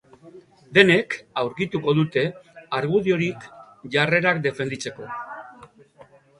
Denek aurkituko dute argurdiorik jarrerak defenditzeko.